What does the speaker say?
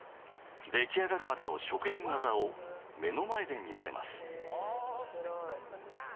出来上がるまでの職人技を目の前で見られます。